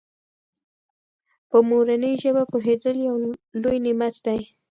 په مورنۍ ژبه پوهېدل یو لوی نعمت دی.